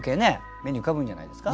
目に浮かぶんじゃないですか？